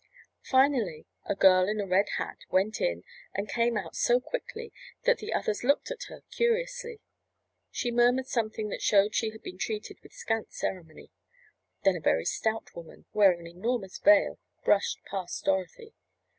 Finally a girl in a red hat went in and came out so quickly that the others looked at her curiously. She murmured something that showed she had been treated with scant ceremony. Then a very stout woman, wearing an enormous veil brushed past Dorothy.